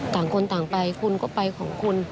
ต่างคนต่างไปคุณก็ไปของคุณ